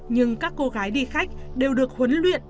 nhưng các cô gái đi khách đều được huấn luyện